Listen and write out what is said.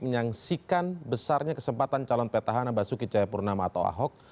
menyaksikan besarnya kesempatan calon peta hanabasuki cahayapurnama atau ahok